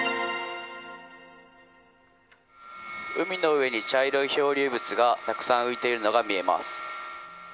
海の上に茶色い漂流物がたくさん浮いているのが見えます。